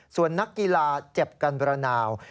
ส่วนนักกีฬาเจ็บกันบรนาว